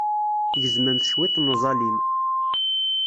Tgezmemt cwiṭ n uẓalim.